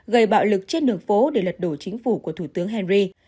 gây bạo lực trên đường phố để lật đổ chính phủ của thủ tướng henry